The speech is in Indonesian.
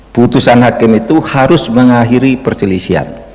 putusan hakim itu harus mengakhiri perselisihan